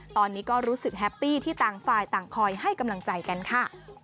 ตอนนี้ก็รู้สึกแฮปปี้ที่ต่างฝ่ายต่างคอยให้กำลังใจกันค่ะ